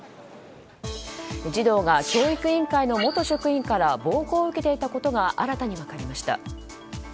児童が教育委員会の元職員から暴行を受けていたことが新たに分かりました。